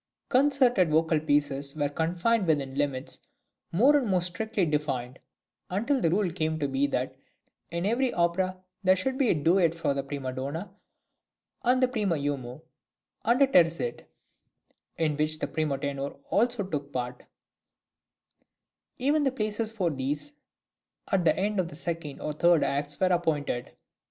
Concerted vocal pieces were confined within limits more and more strictly defined, until the rule came to be that in every opera there should be a duet for the prima donna and the primo uomo, and a terzet in which the primo tenore also took part; even the places for these, at the end of the second and third acts, were appointed.